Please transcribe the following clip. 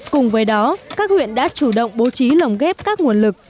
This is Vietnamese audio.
cùng với đó các huyện đã chủ động bố trí lồng ghép các nguồn lực